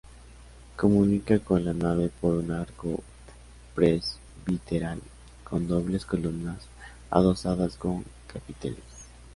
Comunica con la nave por un arco presbiteral con dobles columnas adosadas con capiteles.